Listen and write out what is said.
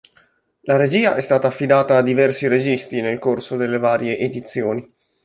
La regia è stata affidata a diversi registi nel corso delle varie edizioni.